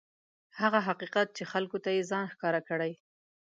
هغه حقیقت چې خلکو ته یې ځان ښکاره کړی.